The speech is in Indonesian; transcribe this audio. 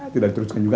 tidak diteruskan juga